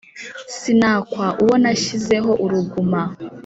sinakwa uwo nashyizeho uruguma